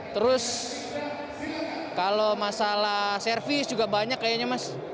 terus kalau masalah servis juga banyak kayaknya mas